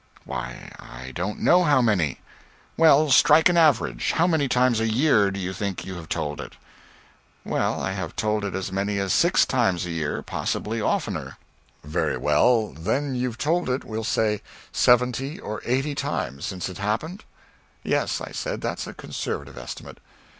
"Why, I don't know how many." "Well, strike an average. How many times a year do you think you have told it?" "Well, I have told it as many as six times a year, possibly oftener." "Very well, then you've told it, we'll say, seventy or eighty times since it happened?" "Yes," I said, "that's a conservative estimate."